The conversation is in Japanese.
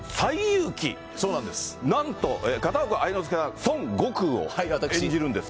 なんと、片岡愛之助さん、孫悟空を演じるんですか？